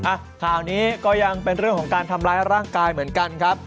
อ่ะข่าวนี้ก็ยังเป็นเรื่องของการทำร้ายร่างกายเหมือนกันครับ